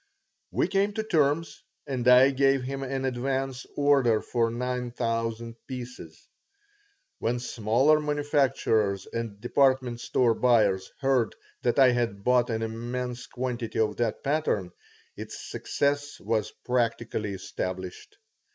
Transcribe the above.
We came to terms, and I gave him an advance order for nine thousand pieces. When smaller manufacturers and department store buyers heard that I had bought an immense quantity of that pattern its success was practically established.